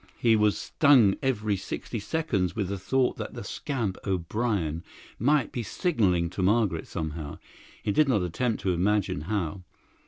He was stung every sixty seconds with the thought that the scamp O'Brien might be signalling to Margaret somehow; he did not attempt to imagine how.